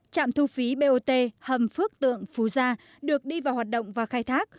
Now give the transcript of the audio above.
trạm thu phí bot hầm phước tượng phú gia được đi vào hoạt động và khai thác